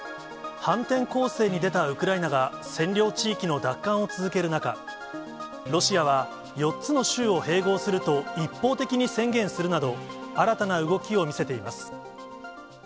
反転攻勢に出たウクライナが、占領地域の奪還を続ける中、ロシアは４つの州を併合すると一方的に宣言するなど、新たな動きを見せています。